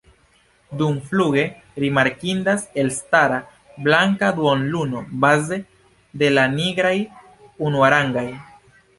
Dumfluge rimarkindas elstara blanka duonluno, baze de la nigraj unuarangaj.